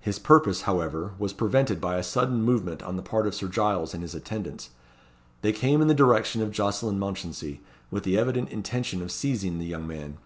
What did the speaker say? His purpose, however, was prevented by a sudden movement on the part of Sir Giles and his attendants. They came in the direction of Jocelyn Mounchensey, with the evident intention of seizing the young man.